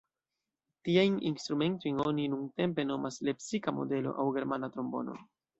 Tiajn instrumentojn oni nuntempe nomas "lepsika modelo" aŭ "germana trombono".